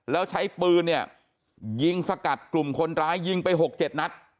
แล้วใช้ปืนเนี่ยยิงสกัดกลุ่มคนร้ายยิงไป๖๗นัด